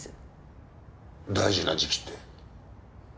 大事な時期って？